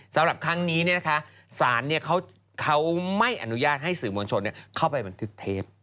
สำหรับครั้งนี้ศาลเขาไม่อนุญาตให้สื่อมวลชนเข้าไปบันทึกเทป